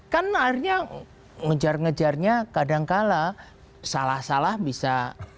kan akhirnya ngejar ngejarnya kadangkala salah salah bisa